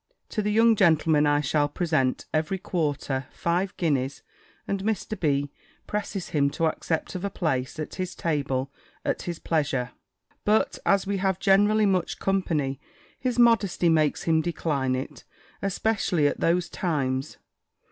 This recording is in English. To the young gentleman I shall present, every quarter, five guineas, and Mr. B. presses him to accept of a place at his table at his pleasure: but, as we have generally much company, his modesty makes him decline it, especially at those times.